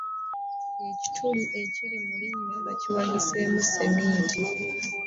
Ektuli ekiri mu linnyo baakiwagiseemu seminti.